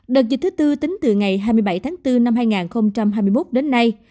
đợt dịch thứ tư tính từ ngày hai mươi bảy tháng bốn năm hai nghìn hai mươi một đến nay